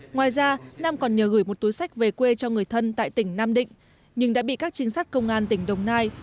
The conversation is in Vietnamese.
ngoài ra nam còn nhờ gửi một túi sách về quê cho người thân tại tỉnh nam định nhưng đã bị các trinh sát công an tỉnh đồng nai